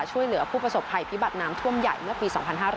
ช่วยเหลือผู้ประสบภัยพิบัติน้ำท่วมใหญ่เมื่อปี๒๕๕๙